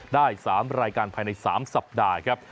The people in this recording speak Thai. ได้๓รายการภายใน๓สัปดาห์ครับ